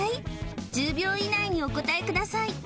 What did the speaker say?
１０秒以内にお答えください